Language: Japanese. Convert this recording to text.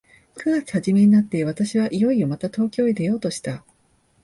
九月始めになって、私はいよいよまた東京へ出ようとした。